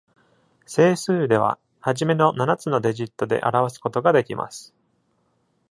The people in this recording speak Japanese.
整数では、初めの七つのデジットで表すことが出来ます。